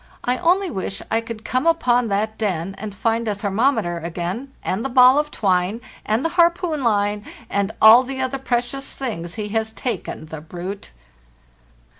I only wish I could come upon that den, and find the thermometer again, and the ball of twine, and the harpoon line, and all the other precious things he has taken, the brute!